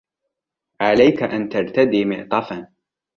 عليك أن ترتدي معطفا.